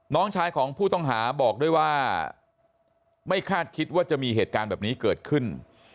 น้องชายของผู้ต้องหาบอกด้วยว่าไม่คาดคิดว่าจะมีเหตุการณ์แบบนี้เกิดขึ้น